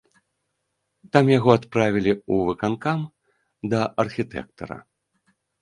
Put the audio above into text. Там яго адправілі ў выканкам, да архітэктара.